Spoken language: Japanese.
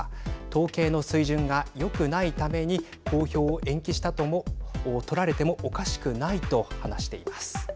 統計の水準がよくないために公表を延期したとも取られてもおかしくないと話しています。